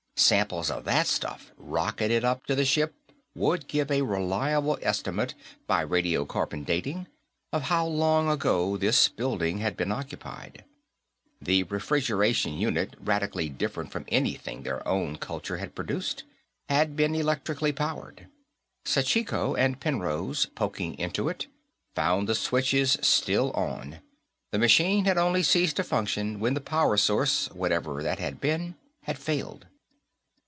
Samples of that stuff, rocketed up to the ship, would give a reliable estimate, by radio carbon dating, of how long ago this building had been occupied. The refrigeration unit, radically different from anything their own culture had produced, had been electrically powered. Sachiko and Penrose, poking into it, found the switches still on; the machine had only ceased to function when the power source, whatever that had been, had failed.